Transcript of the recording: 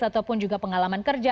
ataupun juga pengalaman kerja